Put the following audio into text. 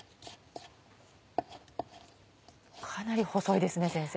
かなり細いですね先生。